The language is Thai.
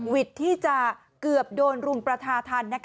วิทย์ที่จะเกือบโดนรุมประชาธรรม